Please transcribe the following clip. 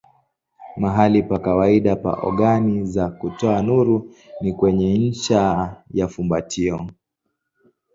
Mahali pa kawaida pa ogani za kutoa nuru ni kwenye ncha ya fumbatio.